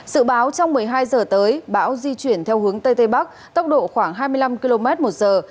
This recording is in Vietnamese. sự báo trong một mươi hai giờ tới bão di chuyển theo hướng tây tây bắc tốc độ khoảng hai mươi năm km một giờ